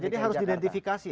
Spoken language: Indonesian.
iya jadi harus diidentifikasi